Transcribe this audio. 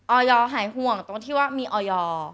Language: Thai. ออยหายห่วงตรงที่ว่ามีออย